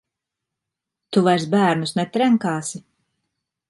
Tu vairs bērnus netrenkāsi?